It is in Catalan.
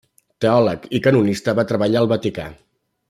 Teòleg i canonista, va treballar al vaticà.